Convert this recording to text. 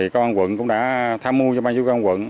công an quận cũng đã tham mưu cho ban giữ công an quận